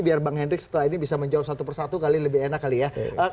biar bang hendrik setelah ini bisa menjawab satu persatu kali lebih enak kali ya